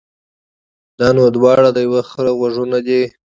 دا نو دواړه د يوه خره غوږونه دي.